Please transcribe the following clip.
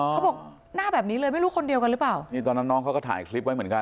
เขาบอกหน้าแบบนี้เลยไม่รู้คนเดียวกันหรือเปล่านี่ตอนนั้นน้องเขาก็ถ่ายคลิปไว้เหมือนกัน